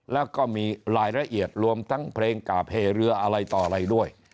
แล้วก็มีรายละเอียดรวมทั้งเพลงกาบเหเรืออะไรต่ออะไรด้วย